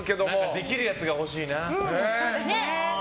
できるやつがほしいな。